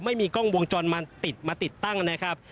ไม่มีกล้องวงจรมาติดตั้งนะครับ